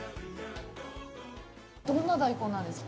どんな大根なんですか？